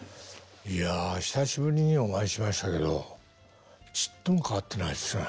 いや久しぶりにお会いしましたけどちっとも変わってないですね。